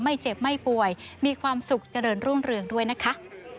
ไม่เจ็บไม่ป่วยมีความสุขเจริญรุ่งเรืองด้วยนะคะ